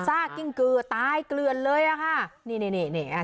ซากกิ้งกือตายเกลือนเลยอ่ะค่ะนี่นี่อ่ะ